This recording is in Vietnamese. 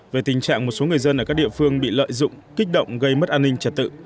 về tình trạng một số người dân ở các địa phương bị lợi dụng kích động gây mất an ninh trật tự